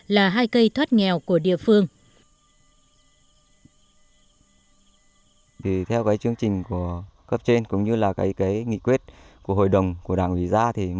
là hai cây thoát nghèo của địa phương